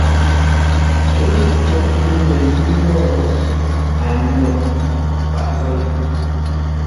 Ə́ lə pəi ndeitə́ yórə́, a nyêr faʼ zêi.